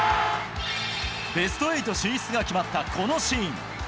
ベスト８進出が決まったこのシーン。